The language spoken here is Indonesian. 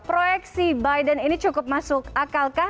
proyeksi biden ini cukup masuk akalkah